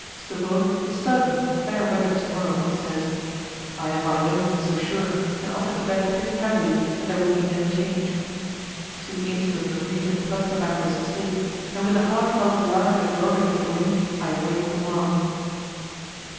Stubberud is certain of fair weather to morrow, he says. I am by no means so sure, and offer to bet pretty heavily that there will be no change. Two inches of Norwegian plug tobacco is the stake, and with a heartfelt desire that Jörgen may win I await the morrow.